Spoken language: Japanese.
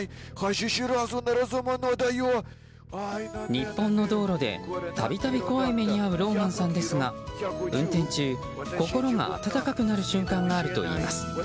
日本の道路で度々怖い目に遭うローマンさんですが運転中、心が温かくなる瞬間があると言います。